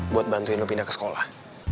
buat bantuin pindah ke sekolah